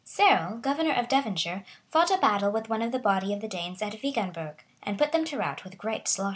Ceorle, governor of Devonshire, fought a battle with one body of the Danes at Wiganburgh,[*] and put them to rout with great slaughter.